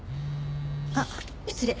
あっ失礼。